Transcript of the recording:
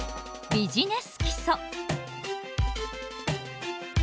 ビジネス基礎。